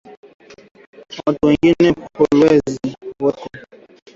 Watu wengine kolwezi weko na kula kufatana na pato ya siku